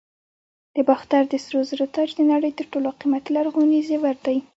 د باختر د سرو زرو تاج د نړۍ تر ټولو قیمتي لرغوني زیور دی